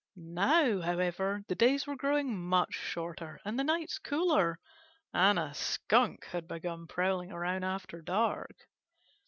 Now, however, the days were growing much shorter and the nights cooler, and a Skunk had begun prowling around after dark.